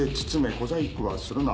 小細工はするな。